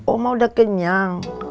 omah udah kenyang